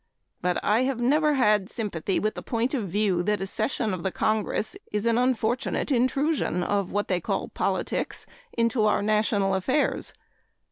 But I have never had sympathy with the point of view that a session of the Congress is an unfortunate intrusion of what they call "politics" into our national affairs.